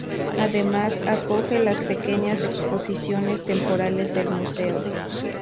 Además, acoge las pequeñas exposiciones temporales del museo.